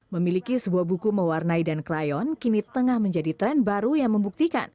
memiliki sebuah buku mewarnai dan crayon kini tengah menjadi tren baru yang membuktikan